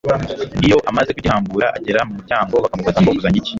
Iyo amaze kugihambura agera mu muryango, bakamubaza ngo Uzanye iki ?